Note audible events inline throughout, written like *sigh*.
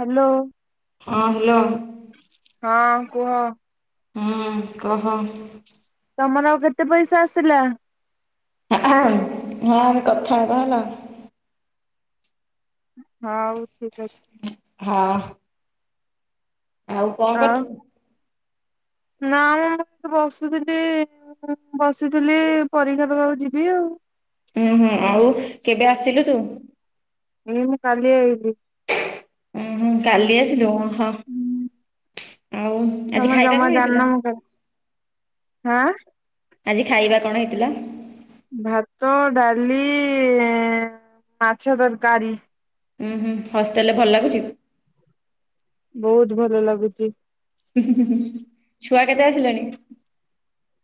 Hello. ହଁ hello. ହଁ କୁହ। ହଁ କହ। ତମର ଆଉ କେତେ ପଇସା ଆସିଲା। ହଁ ଆମେ କଥା ହେବା ହେଲା। ହଉ ଠିକ୍ ଅଛି। ହଁ। ଆଉ କଣ କରୁଚୁ। ନା ମୁଁ ମୁଁତେ ବସୁଥିଲି। ବସିଥିଲି ପରୀକ୍ଷା ଦବାକୁ ଯିବି ଆଉ। ଉୁଁ ହୁଁ ଆଉ କେବେ ଆସିଲୁ ତୁ। ଏଇ ମୁଁ କାଲି ଆଇଲି। ଉଁ ହୁଁ କାଲି ଆସିଲୁ ଓ ହ ଆଉ ଆଜି ତମେ ଖାଇବା ଜମା କଣ ହେଇଥିଲା? ଜାନିନ ମୁଁ କା ହାଁ। ଆଜି ଖାଇବା କଣ ହେଇଥିଲା। ଭାତ ଡାଲି ମାଛ ତରକାରୀ। ଉୁଁ ହୁଁ ହଷ୍ଟେଲରେ ଭଲ ଲାଗୁଚି। ବହୁତ ଭଲ ଲାଗୁଚି। ଛୁଆ କେତେ ଆସିଲେଣି।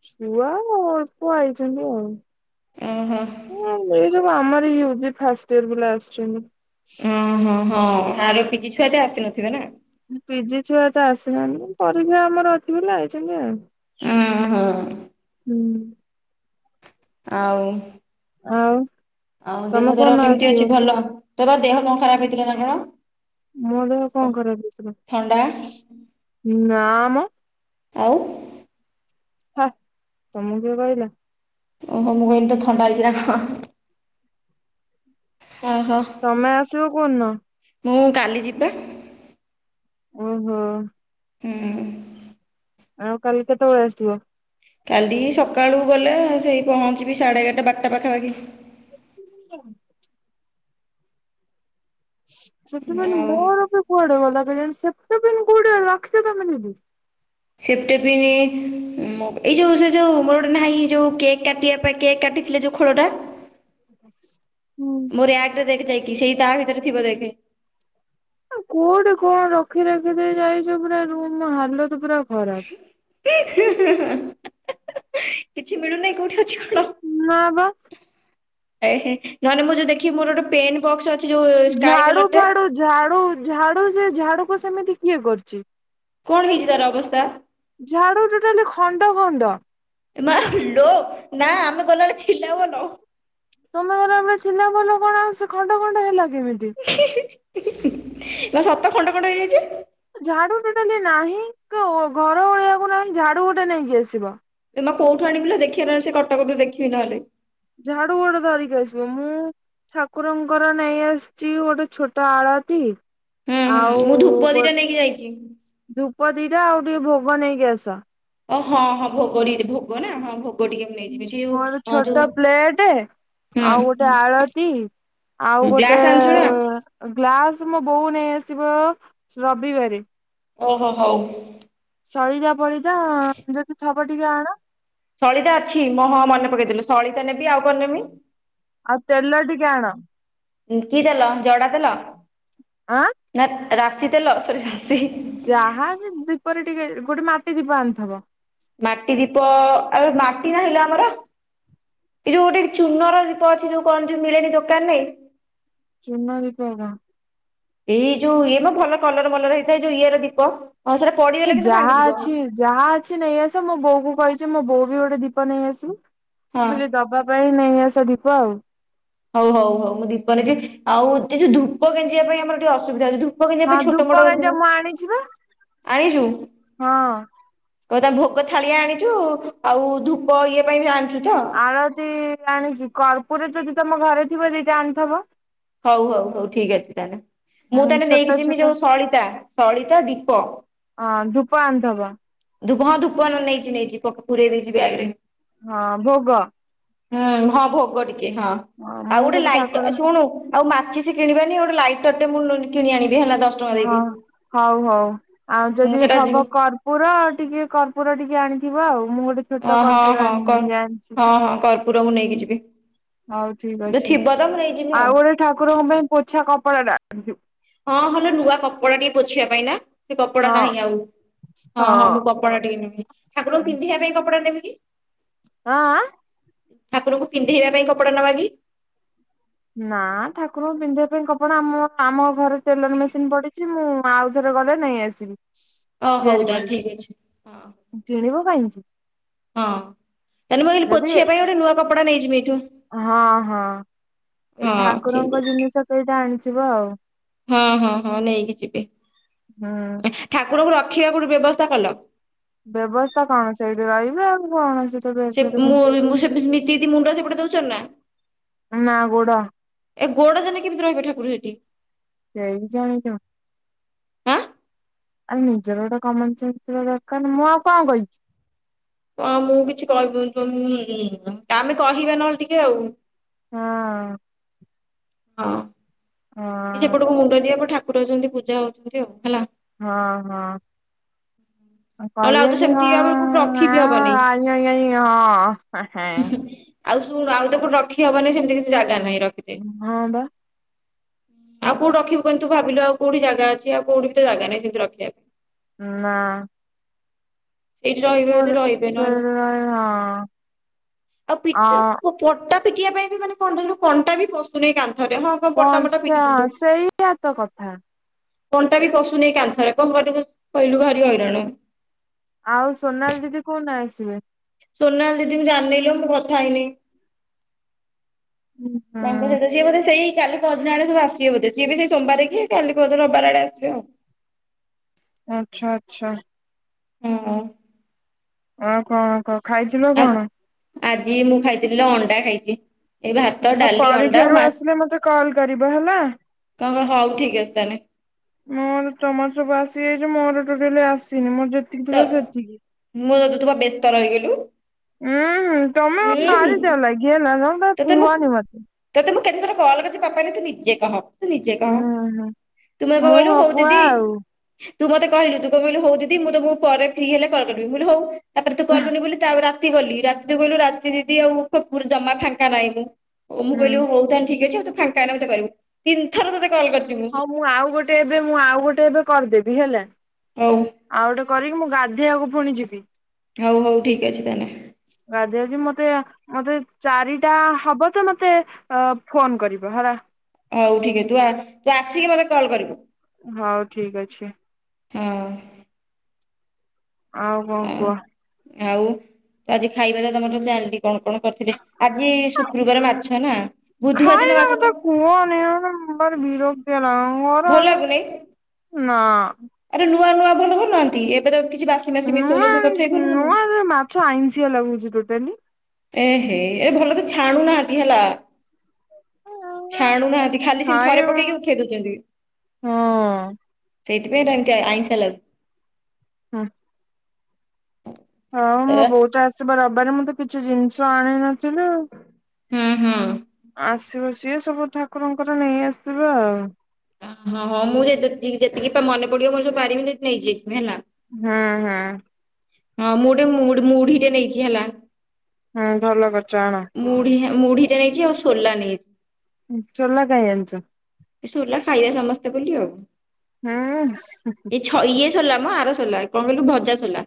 ଛୁଆ ଅଳ୍ପ ଆଇଛନ୍ତି ଆଉ। ଓହୋ। ହଁ ଏ ଯୁ ଆମର ୟୁଜି ଫାଷ୍ଟ ଇର ପିଲା ଆସୁଛନ୍ତି। ଅ ହଁ ହଁ ଆର ପିକି ଛୁଆ ତ ଆସିନଥିବେ ନା? ପି ଜି ଛୁଆ ତ ଆସିିନାହାନ୍ତି ପରୀକ୍ଷା ଆମର ଅଛି ବଇଲେ ଆଇଛନ୍ତି ଆଉ। ଓ ହୋ। ହୁଁ। ଆଉ। ଆଉ। ଆଉ ଦେହ ତମେ ତୋର କୋଉଦିନ କେମିତି ଆସିବ ଅଛି ଭଲ ତୋର ଦେହ କଣ ଖରାପ ହେଇଥିଲା ନା କଣ? ମୋ ଦେହ କଣ କରାପ ହେଇଥିବ ଥଣ୍ଡା ନା ମ ଅଉ। ହା ତମକୁ କିଏ କହିଲା? ଓହୋ ମୁଁ କହିଲି ତ ଥଣ୍ଡା ହେଇଛି ନା କ ଓହୋ। ତମେ ଆସିବ କୋଉଦିନ? ମୁଁ କାଲି ଯିବା ଓହୋ। ହୁଁ। ଆଉ କାଲି କେତେବେଳେ ଆସିବ? କାଲି ସକାଳୁ ଗଲେ ସେଇ ପହଞ୍ଚିବି ସାଢ଼େ ଏଗାରଟା ବାରଟା ପାଖାପାଖି। ହା *unintelligible* ସେଥିପାଇଁ ଆଉ ମୋର ବି କୁଆଡେ ଗଲା କେ ସେତେ କୋଉଠିେ ରାଖିଛ ତମେ ଦିଦି *unintelligible* ସେଫ୍ଟୀ ପିନ ମୋ ଏଇ ଯୋଉ ସେ ଯୋଉ ମୋର ଗୋଟେ ନାହିଁ ଯୋଉ କେକ୍ କାଟିବା ପାଇଁ କେକ୍ କାଟି ଥିଲେ ଯୋଉ ଖୋଳ ଟା ହୁଁ। ମୋର ରାକ୍ ରେ ଦେଖ ଯାଇକି ସେଇ ତା ଭିତରେ ଥିବ ଦେଖେ। କୋଉଠି କଣ ରଖି ରାଖି ଦେଇ ଯାଇଛୁ ପୁରା ରୁମ ହାଲତ ପୁରା ଖରାପ। କିଛି ମିଳୁନି କୋଉଠି ଅଛି କଣ। ନା ପା। ଏ ହେ ନହଲେ ମୋ ଯୋଉ ଦେଖିବି ମୋର ଗୋଟେ ପେନ୍ ବକ୍ସ ଅଛି ଯୋଉ ସ୍କାଏ ଝାଡୁ କଲରଟେ। ଫାଡୁ ଝାଡୁ ଝାଡୁ ସେ ଝାଡୁକୁ ସେମିତି କିଏ କରିଛି? କଣ ହେଇଛି ତାର ଅବସ୍ଥା? ଝାଡୁ ଟୋଟାଲି ଖଣ୍ଡ ଖଣ୍ଡ। ଏ ମା ଲୋ ନା ଆମେ ଗଲାବେଳେ ଥିଲା ଭଲ। ତମ ଗଲାବେଳେ ଥିଲା ଭଲ କଣ ସେ ଖଣ୍ଡ ଖଣ୍ଡ ହେଲା କେମିତି? ନା ସତ ଖଣ୍ଡ ଖଣ୍ଡ ହେଇଯାଇଛି? ଝାଡୁ ଟୋଟାଲି ନାହିଁ କୋଉ ଘର ଓଳିଆକୁ ନାହିଁ ଝାଡୁ ଗୋଟେ ନେଇକି ଆସିବ। ଏ ମା କୋଉଠୁ ଆଣିବି ଲୋ ଦେଖିଆ ନହଲେ ସେ କଟକ ଦେଖିବି ନହଲେ। ଝାଡୁ ଗୋଟେ ଧାରିକି ଆସିବ ମୁଁ ଠାକୁରଙ୍କର ନେଇ ଆସିଛି ଗୋଟେ ଛୋଟ ଆଳଟି ହୁଁ ହୁଁ ଆଉ ମୁଁ ଧୂପ ଗୋ ଦିଟା ନେଇକି ଯାଇଛି। ଧୂପ ଦିଟା ଆଉ ଟିକେ ଭୋଗ ନେଇକି ଆସ। ଓ ହଁ ହଁ ଭୋଗ ଭୋଗ ନା ହଁ ଭୋ ମୋର ଛୋଟ ପ୍ଲେଟ ଆଉ ଗୋଟେ ହୁଁ ଆଳତି ଆଉ ଗୋଟେ ଗ୍ଲାସ ଆଣିଛୁ ନା? ଗ୍ଲାସ ମୋ ବୋଉ ନେଇ ଆସିବ ରବିବାରେ। ଓହୋ ହଉ। ସଳିତା ଫଳିତା ଯଦି ଥବ ଟିକେ ଆଣ। ସଳିିତା ଅଛି ମଁ ହଁ ମନେ ପକେଇଥିଲୁ ସଳତା ନେବି ଆଉ କଣ ନେବି? ଆଉ ତେଲ ଟିକେ ଆଣ। କି ତେଲ ଜଡା ତେଲ? ଆଁ? ନା ରାଶି ତେଲ ସରି ରାଶି। ଯାହା କି ଦୀପରେ ଟିକେ ଗୋଟେ ମାଟି ଦୀପ ଆଣଥିବ। ମାଟି ଦୀପ ଆଉ ମାଟି ନାହିଁ ଲୋ ଆମର। ଏଇ ଯୋଉ ଗୋଟେ ଚୂନର ଦୀପ ଅଛି ଯୋଉ କହନ୍ତି ଯଉ ମିଳେଳିି ଦୋକାନରେ ଚୁନ ଦୀପ ହେରା। ଏଇ ଯୋଉ ଇଏ ମ ଭଲ କଲର ମଲର ହେଇଥାଏ ଯୋଉ ଇଏ ର ଦୀପ ହଁ ସେଇଟା ହେ ପଡିଗଲେ କିନ୍ତୁ ଯାହା ଭାଙ୍ଗିଯିବ। ଅଛି ଯାହା ଅଛି ନେଇ ଆସ ମୋ ବୋଉ କୁ କହିଛି ମୋ ବୋଉ ବି ଗୋଟେ ଦୀପ ନେଇ ଆସିବୁ ହଁ ଖାଲି ଦବା ପାଇଁ ନେଇଁ ଆସ ଦୀପ ଆଉ। ହଉ ହଉ ହଉ ମୁଁ ଦୀପରେ ଆଉ ଏ ଯୋଉ ଧୂପ ଗେଞ୍ଜିବା ପାଇଁ ଆମର ଟିକେ ଅସୁବିଧା ଧୁ ଧୂପ ଗେଞ୍ଜିବା ହଁ ପାଇଁ ଛୋଟ ଧୂପ ମୋଟ ଗଞ୍ଜ ମୁଁ ଆଣିଛି ବା ଆଣିଚୁ? ହଁ। ହଉ ତା ଭୋଗ ଥାଳିଆ ଆଣିଚୁ ଆଉ ଧୂପ ଇଏ ପାଇଁ ବି ଆଣିଚୁ ତ? ଆଳତି ଆଣିଚି କର୍ପୁର ଯଦି ତମ ଘରେ ଥିବ ଦିଟା ଆଣିଥିବ। ହଉ ହଉ ହଉ ଠିକ ଅଛି ତାହେଲେ। ମୁଁ ହଁ ତାହେଲେ ଛୋଟ ନେଇକି ଜିମି ଛୋଟ ଯୋଉ ସଳିତା ସଳିତା ଦୀପ। ହଁ ଧୂପ ଆଣିଥବ। ଧୁପଁ ହଁ ଧୂପ ନେଇଚି ନେଇଚି ପ ପୁରେଇ ଦେଇଚି ବ୍ୟାଗରେ। ହଁ ଭୋଗ ହୁଁ ହଁ ଭୋଗ ଟିକେ, ହଁ ଆଉ ମୁଁ ଗୋଟେ ସବୁ ଲାଇଟ ଠାକୁର ଏ ଶୁଣୁ ଆଉ ମାଚିଶି କିଣିବାନି ଗୋଟେ ଲାଇଟର ଟେ ମୁଁ କିଣି ଆଣିବି ହେଲା ଦଶ ଟଙ୍କା ଦେଇକି। ହଁ ହଉ ହଉ ଆଉ ମୁଁ ଯଦି ସେଟା ଯିବି ଥବ କର ପୁର ଟିକେ କର୍ପୁର ଟିକେ ଆଣିଥିବ ଆଉ ମୁଁ ଗୋଟେ ହଁ ଛୋଟ କର୍ପୁର ହଁ ଆଣି କର ଇଏ ଆଣିଛି ହଁ ହଁ କର୍ପୁର ମୁଁ ନେଇକି ଯିବି। ହଉ ଠିକ ଅଛି, ଥିବ ତ ମୁଁ ନେଇଯିବି ଆଉ ଗୋଟେ ଠାକୁରଙ୍କ ପାଇଁ ପୋଛା କପଡା ଟା। ହଁ ହଲ ନୂଆ କପଡା ଟିକ ପୋଛିବା ପାଇଁ ନା ସେ କପଡା ହଁ ନାହିଁ ଆଉ ହଁ ହଁ ମୁଁ କ କପଡ଼ା ଟିକେ ନେବି, ଠାକୁରଙ୍କୁ ପିନ୍ଧେଇବା ପାଇଁ କପଡ଼ା ନେବି? ହଁ ଆ? ଠାକୁରଙ୍କୁ ପିନ୍ଧେଇବା ପାଇଁ କପଡା ନେବି? ନା ଠାକୁରଙ୍କୁ ପିନ୍ଧିବା ପାଇଁ କପଡ଼ା ଆମ ଆମ ଘରେ ଟେଲର ମେସିନ ପଡିଛି ମୁଁ ମୁଁ ଆଉଥରେ ଗଲେ ନେଇ ଆସିବି ଓ ହଉ ତିଆରି ତାହେଲେ ଠିକ କରିକି ଅଛି ହଁ କିଣିବ *unintelligible* ହଁ ତାହାଲେ ମୁଁ କହିଲି ଯଦି ପୋଛିବା ପାଇଁ ଗୋଟେ ନୂଆ କପଡା ନେଇଯିବି ଏଇଠୁ। ହଁ ହଁ ହଁ ଠିକ ଅଛି। ସେଇଟା ଆଣିଯିବ ଆଉ। ହଁ ହଁ ହଁ ନେଇକି ଯିବି, ହୁଁ। ଠାକୁରଙ୍କୁ ରଖିବା କୋଉଠି ବ୍ୟବସ୍ଥା କଲ? ବ୍ୟବସ୍ଥା କଣ ସେଇଠି ରହିବେ ଆଉ କଣ ସେ ତ ଏ ବ୍ୟାଗ୍ ଫ୍ୟଗ ମୁଁ ଘୁଞ୍ଚେଇ ମୁଁ ସେ ଦେଇଚନ୍ତି। ସ୍ମିତି ଦିଦି ମୁଣ୍ଡ ସେପଟେ ଦଉଛନ୍ତିନା? ନା ଗୋଡ଼। ଏ ଗୋଡ ଦେନେ କେମିତି ରହିବେ ଠାକୁର ସେଠି। କେହି ଜାଣିନୁ। ଆଁ ଆଉ ନିଜର ଗୋଟେ କମନସେନ୍ସ ଥିବା ଦରକାର ନା, ମୁଁ ଆଉ କଣ କହିବି? ହଁ ମୁଁ କିଛି କହିବି *unintelligible* ଆମେ କହିବା ନହେଲେ ଟିକେ ଆଉ। ହଁ ହଁ। ହଉ। ହଁ। କି ସେପଟକୁ ମୁଣ୍ଡ ଦିଅ ଏପଟେ ଠାକୁର ଅଛନ୍ତି ପୂଜା ହଉଛନ୍ତି ଆଉ ହେଲା। ହଁ ହଁ। ନହେଲେ ଆଉ ତ କହିବେକି ସେମିତି ଆଉ କୋଉଠି ହଁ ରଖିବି ହବନି। *unintelligible* ଆଉ ଶୁଣ ଆଉତ କୋଉଠି ରଖି ହବନି ସେମିତି କିଛି ଜାଗା ନାହିଁ ର ହଁ ପା। ଆଉ କୋଉଠୀ ରଖିବୁ କହନି ତୁ ଭାବିଲୁ ଆଉ କୋଉଠି ଜାଗା ଅଛି ଆଉ କଉଠି ତ ଜାଗା ନାଁହିଁ ସେମତି ରଖିବାକୁ। ନା। ସେଇଠି ରହିବେ ଯଦି କୁଆଡେ ରହିବେ ନହେଲେ *unintelligible* ଆଉ ପିଟା ପଟା ପିଟିବା ପାଇଁ ବି ମାନେ କଣ ଧୁ କଣ୍ଟା *unintelligible* ପଶୁନେଇ କାନ୍ଥରେ ହଁ କଣ ପଟା ମଟା ସେ ପିଟି ଦି ହଁ *unintelligible* ସେଇଆ ତ କଥା। କଣଟା ବି ପଶୁନି କାନ୍ଥରେ କଣ କରିବୁ କହିଲୁ ଭାରି ହଇରାଣ। ଆଉ ସୋନାଲ ଦିଦି କୋଉ ନାଆସିବେ ଆସିବେ? ସୋନାଲ ଦିଦି ମୁ ଜାଣିନି ଲୋ ମୁଁ କଥା ହେଇନି ହୁଁ ତାଙ୍କ ସହିତ। ଯିଏ ବୋଧେ ସେଇ କାଲି ପରଦିନ ଆଡ଼କୁ ଆସିବେ ବୋଧେ ସିଏ ବି ସେଇ ସୋମବାର କି କାଲି ପରଦିନ ରବିବାର ଆଡ଼େ ଆସିବେ ଆଉ ଆଚ୍ଛା ଆଚ୍ଛା। ହଁ। ହ କଣ କ ଖାଇଥିଲ ଆ କଣ? ଆଜି ମୁଁ ଖାଇଥିଲି ଅଣ୍ଡା ଖାଇଛି ଏଇ ଭା ହଁ ପରୀକ୍ଷା ରୁ ଆସିଲେ ମତେ କଲ କରିବ ହେଲା? କଣ କ ହଉ ଠିକ୍ ଅଛି ତାହେଲେ। ମୋର ତମର ସବୁ ଆସିଯାଇଛି ମୋର ଟୋଟାଲି ଆସିନି ମୋ ଯେ ତ ମୁଁ ଯଦି *unintelligible* ବ୍ୟସ୍ତ ରହିଗଲୁ। ଉଁ ହୁଁ ତମେ ଉଁ ଭାରି ହୁଁ। ଚାଲାକୀ ହେଲା ନା? ତତେ ମୁଁ ତୋତେ ମୁଁ କେତେ ଥର କଲ କରିଛି ବାପା ତୁ ନିଜେ କହ। ତୁ ନିଜେ କହ ହୁଁ ହୁଁ ତୁ ମୁଁ କହିଲୁ ହଉ ଭକୁଆ ଦିଦି। ଆଉ ତୁ ମତେ କହିଲୁ ତୁ କହିଲୁ ହଉ ଦିଦି ମୁଁ ତମକୁ ପରେ ଫ୍ରି ହେଲେ କରିବି ବୋଲି ମୁଁ କହିଲି ହଉ। ତାପରେ ତୁ କଲୁନି ବୋଲି ତାଉ ରାତି ଗଲି ରାତି ତୁ ଗଲୁ ରାତି ଦିଦି ଆଉରୁ ଜମା ଫାଙ୍କା ନାହିଁ ମୁଁ ଓ ମୁଁ କହିଲି ହୁଁ। ତାହେଲେ ଠିକ ଅଛିଉ ତୁ ଫାଙ୍କା ହେଲେ ମତେ କହିବୁ ତିନ ଥର ତୋତେ କଲ୍ କରିଛି। ହଁ ମୁଁ ଆଉ ଗୋଟେ ଏବେ ମୁଁ ଆଉ ଗୋଟେ ଏବେ କରିଦେବି ହେଲା। ହଉ। ଆଉ ଗୋଟେ କରିକି ମୁଁ ଗାଧୋଇବାକୁ ପୁଣି ଯିବି। ହଉ ହଉ ଠିକ୍ ଅଛି ତାହେଲେ। ଗାଧେଇବାକୁ ଯିବି ମତେ ମତେ ଚାରିଟା ହବ ତ ମତେ ଅ ଫୋନ କରିବ ହେଲା। ହଉ ଠିକେ ତୁ ତୁ ଆସିକି ମତେ କଲ୍ କରିବୁ। ହଉ ଠିକ ଅଛି। ହଁ। ଆଉ କଣ କୁହ? ଆଉ ତ ଆଜି ଖାଇବାର ତମର ତ ଜାଣିଲି କଣ କଣ କରିଥିଲେ ଆଜି ଶୁକ୍ରବାର ମାଛ ନା ବୁଧବାର ଦିନ ଖାଇବା ମାଛ ମତେ କୁହ ନ ବିରକ୍ତିଆ ଭଲ ଲାଗୁନି *unintelligible* ନାଁ ଆରେ ନୂଆ ନୂଆ ଭଲ ହଉନାହାନ୍ତି ଏବେ ତ କିଛି ବାସି ମାସି ମିଶଉ ନଥିବେ *unintelligible* ଛ ଆଇଁସିଆ ଲାଗୁଛି ଟୋଟାଲି ଏ ହେ ଏରେ ଭଲ ତ ଛାଣୁନାହାନ୍ତି ହେଲା। ଛାଣୁନାହାନ୍ତି ଖାଲି ସେମି ଥରେ ଖାଇବା ପକେଇକି ଉଠେଇ ଦଉଛନ୍ତି। ହଁ ସେଇଥିପାଇଁ ଏମିତି ଆଇଁସା ଲାଗ ହଁ। ହଁ ଏ ମୁଁ ବହୁତ *unintelligible* ମୁଁ ତ କିଛି ଜିନିଷ ଆଣିନି। ଯି ହୁଁ ହୁଁ *unintelligible* ଆସିବ ସିଏ ସବୁ ଠାକୁରଙ୍କର ନେଇ ଆସିଥିବ ଆଉ ହଁ ହଁ ମୁଁ ଯେତିକି ମନେ ପଡିବ ମୁଁ ସବୁ ପାରିବି ନେଇକି ଯାଇଥିବି ହେଲା? ହଁ ହଁ। ହଁ ମୁଁ ଗୋଟେ ମୁଡ୍ ମୁଢିଟେ ନେଇଛି ହେଲା। ହୁଁ ଭଲ କରିଛ ଆଣ। ମୁଢି ମୁଢିଟା ନେଇଛି ଆଉ ସୋଲା ନେଇଛି। ଚୋଲା କାଇଁ ଆଣିଛ? ଛୋଲା ଖାଇବା ସମସ୍ତେ ବୋଲି ଆଉ। ଏ ହୁଁ। ଛ ଇଏ ସୋଲା ମ ଆର ସୋଲା କଣ କହିଲୁ ଭଜା ସୋଲା।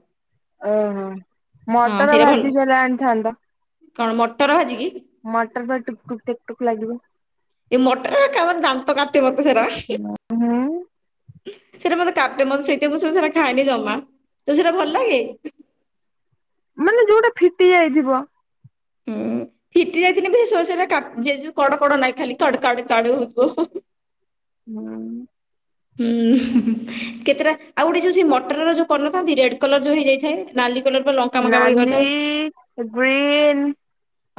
ଓହୋ ହଁ ମଟର ସେଇଟା ଭଲ ଭାଜି ଥିଲେ ଆଣିଥାନ୍ତ। କଣ ମଟର ଭାଜି କି? ମଟର ପରି ଟୁକ୍ ଟୁକ୍ ଟୁକ୍ ଲାଗିବ। ଏଇ ମଟର *unintelligible* ଦାନ୍ତ କାଟିବ ତ ସେଇରା। ହୁଁ। ସେଇଟା ମତେ କାଟେ ମତେ ସେଇଥି ପାଇଁ ମୁଁ ସବୁ ସେରା ଖାଇନି ଜମା ତ ସେଇରା ଭଲ ଲାଗେ? ମାନେ ଯୋଉଟା ଫିଟି ଯାଇଥିବ। ହୁଁ ଫିଟି ଯାଇଥିନେ ବି ସୋରା ସେରା କା ଜେଜୁ କଡ କଡ ନାଇଁ ଖାଲି କଡ଼ କାଡୁ କାଡୁ ହଉଥିବ। ହୁଁ। ହୁଁ କେତେଟା ଆଉ ଗୋଟେ ଯୋଉ ସେ ମଟର ର ଯୋଉ କରିନଥାନ୍ତି ରେଡ କଲର ଯୋଉ ହେଇଯାଇଥାଏ। ନାଲି କଲର ର ଲଙ୍କା ମଙ୍କା ପକେଇକି ନାଲି କରିଥିବେ। ଗ୍ରୀନ୍।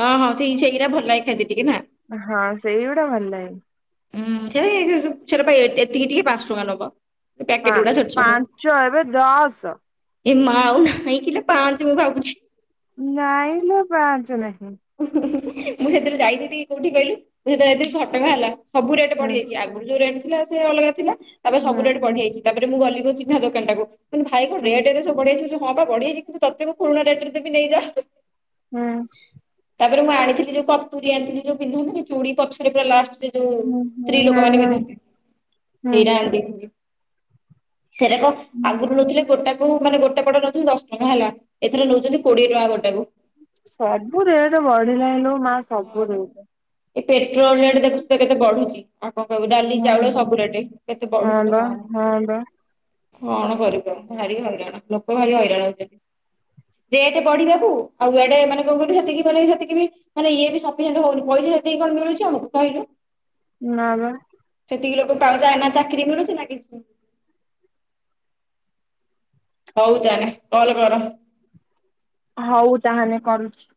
ହଁ ହଁ ସେଇ ସେଇାରା ଭଲ ଲାଗେ ଖାଇଦେ ଟିକେ ନା। ହଁ ସେଇଗୁଡ଼ା ଭଲ ଲାଗେ। ହୁଁ ସେଟ ସେଟା ଏତିକି ଟିକେ ପାଞ୍ଚ ଟଙ୍କା ନବ। ପ୍ୟାକେଟ ପା ଗୁଡା ଛୋଟ ଛୋଟ ପାଞ୍ଚ ଏବେ ଦଶ। ଏ ମା ଆଉ ନାହିଁ କିଲୋ ପାଞ୍ଚ ମୁଁ ଭାବୁଛି। ନାଇଁ ଲୋ ପାଞ୍ଚ ନାହିଁ। ମୁଁ ସେଥୀରେ ଯାଇଥିଲି କୋଉଠିକି କହିଲୁ ମୁଁ ସେତେଳେ ଯାଇଥିଲି ଘାଟ ଗାଁ ହେଲା ସବୁ ରେଟ୍ ହୁଁ ବଢ଼ିଯାଇଛି ଆଗ ଯୋଉ ରେଟ୍ ଥିଲା ସେ ଅଲଗା ଥିଲା ତାପରେ ହୁଁ ସବୁ ରେଟ୍ ବଢ଼ିଯାଇଛି ତାପରେ ମୁଁ ଗଲିି ମୋ ଚିହ୍ନା ଦୋକାନ ଟାକୁ। ଭାଇ କଣ ହୁଁ ରେଟ୍ ଏବେ ସବୁ ବଢ଼ିଯାଇଚି ହଁ ବା ବଢ଼ିଯାଇଚି କିନ୍ତୁ ତତେ ମୁଁ ପୁରୁଣା ରେଟ୍ ରେ ଦେବି ନେଇଯା। ହୁଁ। ତାପରେ ମୁଁ ଆଣିଥିଲି ଯୋଉ କତୁରୀ ଆଣିଥିଲି ଯୋଉ ପିନ୍ଧୁନଥିଲି ଚୁଡ଼ି ପଛରେ ପୁରା ଲାଷ୍ଟ ରେ। ଯୋଉ ହୁଁ ସ୍ତ୍ରୀ ହୁଁ ଲୋକମାନେ ହୁଁ। ପିନ୍ଧନ୍ତି ହୁଁ ସେଇଟା ଆଣି ଦେଇ ଥିଲି। ସେରାକ ହୁଁ। ଆଗରୁ ନଉଥିଲେ ଗୋଟା କୁ ମାନେ ଗୋଟେ ପଟ ନେଉଛନ୍ତି ଦଶ ଟଙ୍କା ହେଲା ଏଥର ନଉଛନ୍ତି କୋଡ଼ିଏ ଟଙ୍କା ଗୋଟାକୁ। ସବୁ ରେଟ ବଢ଼ିଲାଣିିଲୋ ମାସ ଏ ପେଟ୍ରୋଲ ରେଟ୍ ଦେଖୁଛୁତ କେତେ ବଢ଼ୁଛି। ଆଉ କଣ କହିବୁ ଡାଲି, ହଁ ଚାଉଳ ସବୁ ରେଟେ କେତେ ହଁ ବଢୁଛି ଲୋ ବା ମା। ହଁ ବା କଣ କରିବା ଭାରି ହଇରାଣ ଲୋକ ଭାରି ହଇରାଣ ହଉଛନ୍ତି। ରେଟେ ବଢ଼ିବାକୁ ଆଉ ଆଡ଼େ ମାନେ କଣ କହିଲୁ ସେତିକି ମାନେ ସେତିକି ବି ମାନେ ଇଏ ବି ସପିସେଣ୍ଟ ହଉନି ପଇସା ସେତିକି କଣ ମିଳୁଛି ଆଉ କହିଲୁ। ନାବା। ସେତିକି ଲୋକ ପାଉଥା ନା ଚାକିରି ମିଳୁଛି ନା କିଛି। ହଉ ତାହାନେ କଲ କର। ହଉ ତାହାନେ କରୁଛି।